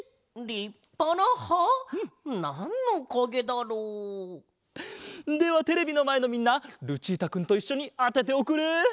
なんのかげだろう？ではテレビのまえのみんなルチータくんといっしょにあてておくれ！